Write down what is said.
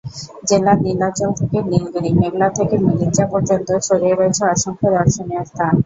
জেলার নীলাচল থেকে নীলগিরি, মেঘলা থেকে মিরিঞ্জা পর্যন্ত ছড়িয়ে রয়েছে অসংখ্য দর্শনীয় স্থান।